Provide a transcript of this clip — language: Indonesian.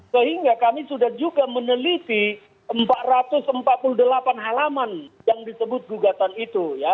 sehingga kami sudah juga meneliti empat ratus empat puluh delapan halaman yang disebut gugatan itu ya